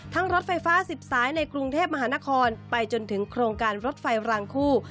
รถไฟฟ้า๑๐สายในกรุงเทพมหานครไปจนถึงโครงการรถไฟรางคู่